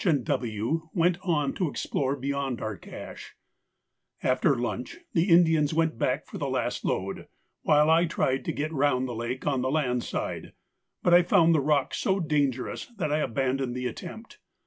and W. went on to explore beyond our cache. After lunch the Indians went back for the last load, while I tried to get round the lake on the land side, but I found the rock so dangerous that I abandoned the attempt.